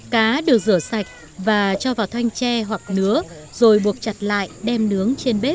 cá được rửa sạch và cho vào thanh tre hoặc nứa rồi buộc chặt lại đem nướng trên bếp